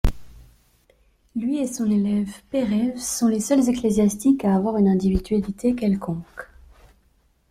Lui et son élève Perreyve sont les seuls ecclésiastiques à avoir une individualité quelconque.